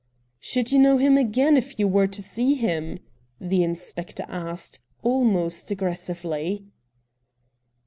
* Should you know him again if you were to see him?' the inspector asked, almost aggressively.